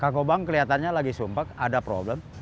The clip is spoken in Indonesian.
kang kobang kelihatannya lagi sumpah ada problem